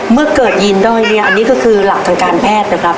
เมื่อเกิดยีนด้อยเนี่ยอันนี้ก็คือหลักทางการแพทย์นะครับ